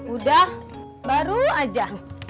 udah baru aja